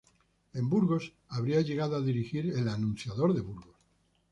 En Burgos habría llegado a dirigir "El Anunciador de Burgos".